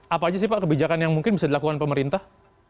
apa aja sih pak kebijakan yang mungkin bisa dilakukan pemerintah